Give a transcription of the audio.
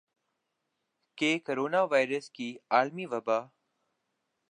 کہ corona virus کی عالمی وبا